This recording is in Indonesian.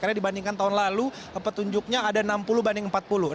karena dibandingkan tahun lalu petunjuknya ada enam puluh banding empat puluh